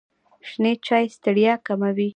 شنې چایی ستړیا کموي.